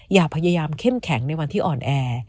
อย่าพยายามเข้มแข็งในวันที่อ่อนแอ